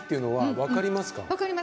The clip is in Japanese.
分かります。